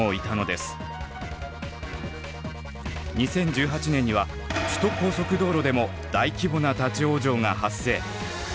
２０１８年には首都高速道路でも大規模な立往生が発生。